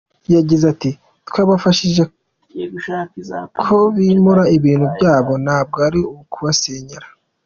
Yagize ati"Twabafashije ko bimura ibintu byabo ntabwo ari ukubasenyera.